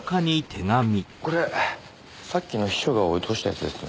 これさっきの秘書が落としたやつですね。